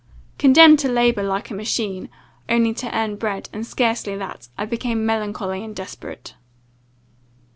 Condemned to labour, like a machine, only to earn bread, and scarcely that, I became melancholy and desperate.